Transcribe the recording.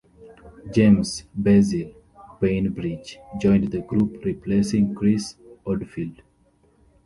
James 'Bazil' Bainbridge joined the group replacing Chris Oldfield.